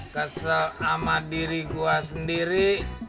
kesel ama diri gua sendiri